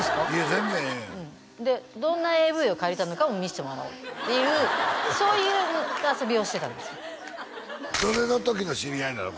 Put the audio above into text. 全然ええやんでどんなＡＶを借りたのかも見せてもらおうっていうそういう遊びをしてたんですどれの時の知り合いなの？